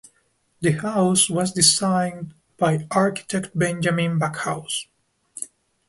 The house was designed by architect Benjamin Backhouse.